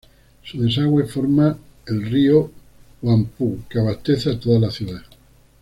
Su desagüe forma el Río Huangpu que abastece a toda la ciudad.